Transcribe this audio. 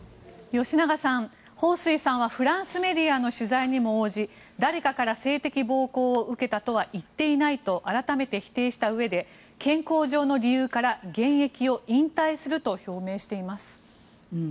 吉永さんホウ・スイさんはフランスメディアの取材にも応じ誰かから性的暴行を受けたとは言っていないと改めて否定したうえで健康上の理由から現役を引退すると表明しています。